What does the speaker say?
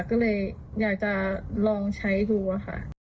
ก็เลยอยากจะลองใช้ดูอะค่ะ